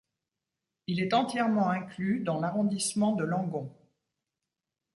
Il est entièrement inclus dans l'arrondissement de Langon.